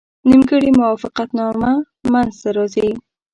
نیمګړې موافقتنامه منځته راځي.